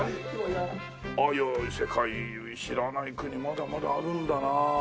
いや世界に知らない国まだまだあるんだな。